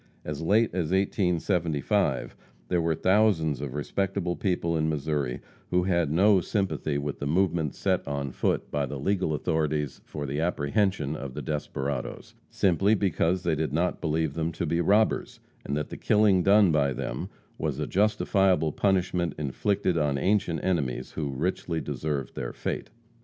As late as 1875, there were thousands of respectable people in Missouri who had no sympathy with the movements set on foot by the legal authorities for the apprehension of the desperadoes, simply because they did not believe them to be robbers, and that the killing done by them was a justifiable punishment inflicted on ancient enemies who richly deserved their fate.